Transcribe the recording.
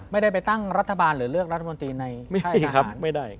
ไม่ได้ไปตั้งรัฐบาลหรือเลือกนายกรมนตรีในค่ายทหาร